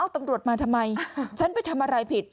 ตำรวจมาทำไมฉันไปทำอะไรผิด